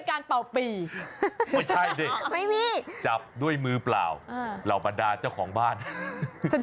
เชี่ยวชาญมากเลย